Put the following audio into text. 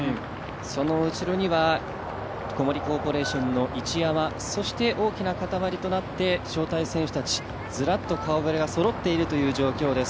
その後ろには小森コーポレーションの市山、そして大きな塊となって招待選手たち、ずらっと顔ぶれがそろっているという状況です。